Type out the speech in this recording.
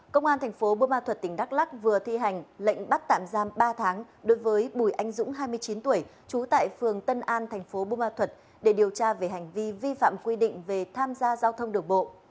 công an tp hcm vừa thi hành lệnh bắt tạm giam ba tháng đối với bùi anh dũng hai mươi chín tuổi trú tại phường tân an tp hcm để điều tra về hành vi vi phạm quy định về tham gia giao thông đường bộ